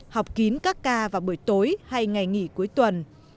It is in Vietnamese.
học kín các ca vào buổi tối hay ngày nghỉ cuối tuần